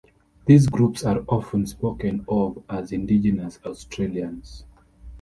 These groups are often spoken of as Indigenous Australians.